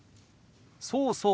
そうそう。